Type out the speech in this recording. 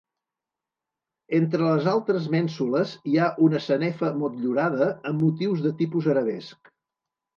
Entre les altres mènsules hi ha una sanefa motllurada amb motius de tipus arabesc.